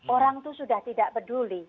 orang itu sudah tidak peduli